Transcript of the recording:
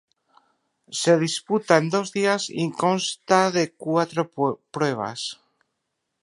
Se disputa en dos días y consta de cuatro pruebas.